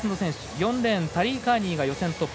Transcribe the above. ４レーン、タリー・カーニーが予選トップ。